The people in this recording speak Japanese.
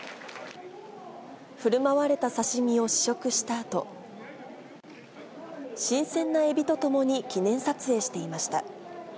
ふるまわれた刺身を試食したあと、新鮮なエビとともに記念撮影していました。